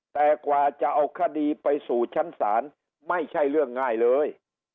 แต่กว่าจะเอาคดีไปสู่ชั้นศาลไม่ใช่เรื่องง่ายเลย